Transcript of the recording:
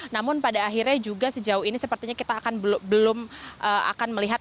namun pada akhirnya juga sejauh ini sepertinya kita akan belum akan melihat